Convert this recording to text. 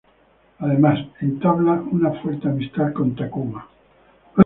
Además, entabla una fuerte amistad con Takuma.